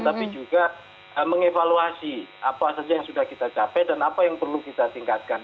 tapi juga mengevaluasi apa saja yang sudah kita capai dan apa yang perlu kita tingkatkan